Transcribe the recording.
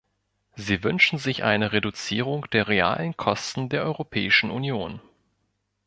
Sie wünschen sich eine Reduzierung der realen Kosten der Europäischen Union.